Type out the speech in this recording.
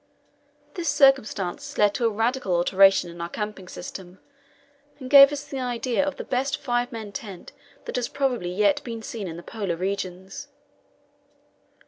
This circumstance led to a radical alteration in our camping system, and gave us the idea of the best five man tent that has probably yet been seen in the Polar regions.